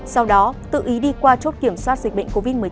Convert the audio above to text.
sau đó tự ý đi qua chốt kiểm soát dịch bệnh covid một mươi chín